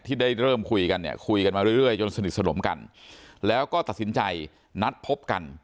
ได้เริ่มคุยกันเนี่ยคุยกันมาเรื่อยจนสนิทสนมกันแล้วก็ตัดสินใจนัดพบกัน